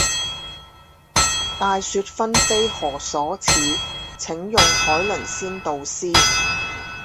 大雪紛飛何所似，請用海倫仙度斯